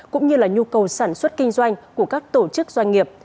cũng như là nhu cầu sản xuất kinh doanh của các tổ chức doanh nghiệp